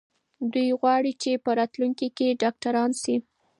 دوی غواړي چې په راتلونکي کې ډاکټران سي.